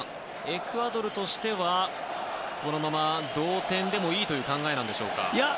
エクアドルとしてはこのまま同点でもいいという考えでしょうか。